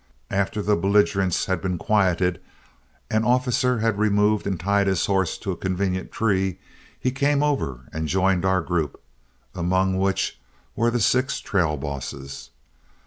After the belligerents had been quieted, and Officer had removed and tied his horse to a convenient tree, he came over and joined our group, among which were the six trail bosses.